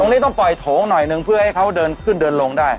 นี้ต้องปล่อยโถงหน่อยหนึ่งเพื่อให้เขาเดินขึ้นเดินลงได้